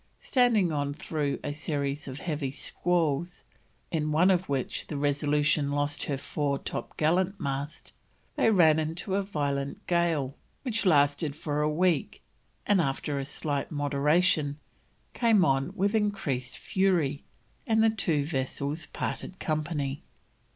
Standing on through a series of heavy squalls, in one of which the Resolution lost her fore topgallant mast, they ran into a violent gale which lasted for a week, and, after a slight moderation, came on with increased fury, and the two vessels parted company.